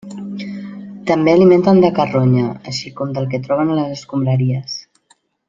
També alimenten de carronya, així com del que troben a les escombraries.